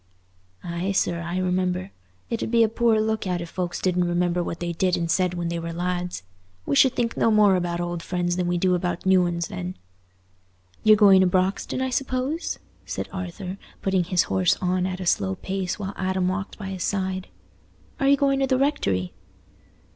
"Aye, sir, I remember. It 'ud be a poor look out if folks didn't remember what they did and said when they were lads. We should think no more about old friends than we do about new uns, then." "You're going to Broxton, I suppose?" said Arthur, putting his horse on at a slow pace while Adam walked by his side. "Are you going to the rectory?"